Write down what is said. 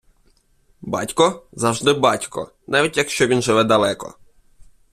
Батько – завжди батько, навіть якщо він живе далеко.